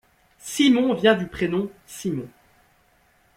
Simon vient du prénom Simon.